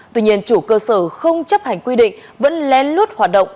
tuy nhiên chủ cơ sở không chấp hành quy định vẫn lén lút hoạt động